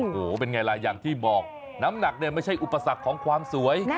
โอ้โหเป็นไงล่ะอย่างที่บอกน้ำหนักเนี่ยไม่ใช่อุปสรรคของความสวย